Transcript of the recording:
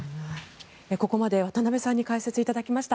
ここまで渡部さんに解説いただきました。